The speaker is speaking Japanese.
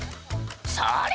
「それ！」